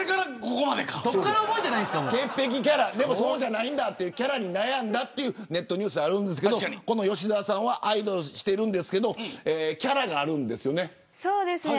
でも、そうじゃないんだというキャラに悩んだというネットニュースがあるんですけど吉澤さんはアイドルをしてるんですけどキャラがあるんですよね。